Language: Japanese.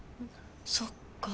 そっか。